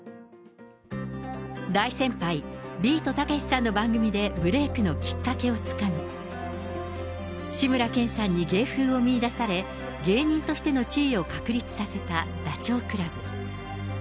大先輩、ビートたけしさんの番組でブレークのきっかけをつかみ、志村けんさんに芸風を見いだされ、芸人としての地位を確立させたダチョウ倶楽部。